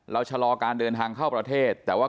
ชะลอการเดินทางเข้าประเทศแต่ว่า